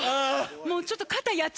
もうちょっと。